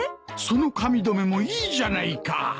その髪留めもいいじゃないか。